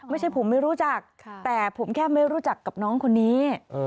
ไม่ใช่ผมไม่รู้จักแต่ผมแค่ไม่รู้จักกับน้องคนนี้